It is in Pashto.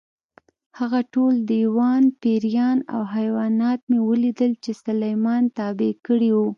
هغه ټول دیوان، پېریان او حیوانات مې ولیدل چې سلیمان تابع کړي وو.